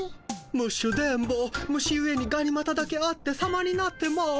ムッシュー電ボ虫ゆえにがにまただけあってさまになってます。